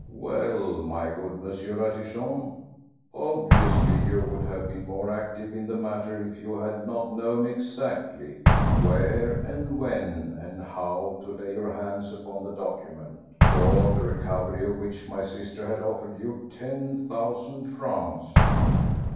Well, my good M. Ratichon, obviously you would have been more active in the matter if you had not known exactly where and when and how to lay your hands upon the document, for the recovery of which my sister had offered you ten thousand francs."